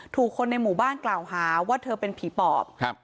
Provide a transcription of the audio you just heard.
ถูกคนในหมู่บ้านกล่าวหาว่าเธอเป็นผีปอบครับ